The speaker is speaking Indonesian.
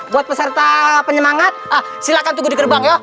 buat peserta penyemangat silakan tunggu di gerbang ya